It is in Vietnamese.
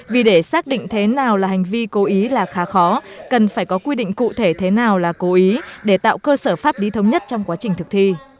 vì để xác định thế nào là hành vi cố ý là khá khó cần phải có quy định cụ thể thế nào là cố ý để tạo cơ sở pháp lý thống nhất trong quá trình thực thi